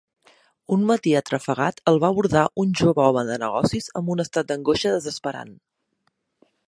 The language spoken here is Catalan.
Un matí atrafegat el va abordar un jove home de negocis amb un estat d'angoixa desesperant.